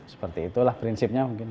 seperti itulah prinsipnya mungkin